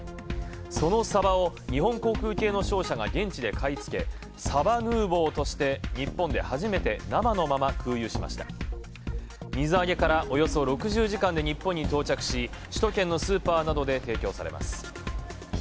そのサバを日本航空系の商社が現地で買い付けサバヌーヴォーとして日本で初めてなまのまま水揚げからおよそ６０時間で日本に到着し首都圏のスーパーなどに提供されます。